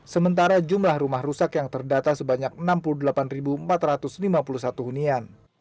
sementara jumlah rumah rusak yang terdata sebanyak enam puluh delapan empat ratus lima puluh satu hunian